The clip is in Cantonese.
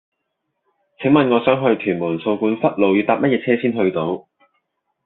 請問我想去屯門掃管笏路要搭乜嘢車先去到